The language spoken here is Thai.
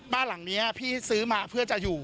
บ้านหลังนี้พี่ซื้อมาเพื่อจะอยู่